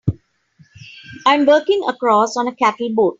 I'm working across on a cattle boat.